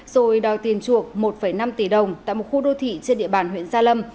rồi đòi tiền chuộc một năm tỷ đồng tại một khu đô thị trên địa bàn huyện gia lâm